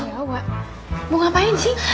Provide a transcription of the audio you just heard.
mau ngapain sih